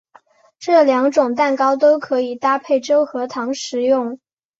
这两种蛋糕都可以搭配粥和糖食用。